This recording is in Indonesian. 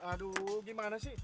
aduh gimana sih